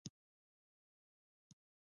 دا زموږ د سیاسي فرهنګ د تعقل ورکه ده.